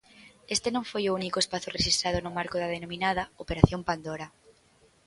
Este non foi o único espazo rexistrado no marco da denominada 'Operación Pandora'.